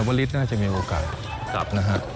วริษฐ์น่าจะมีโอกาสนะครับ